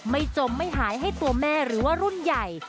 จมไม่หายให้ตัวแม่หรือว่ารุ่นใหญ่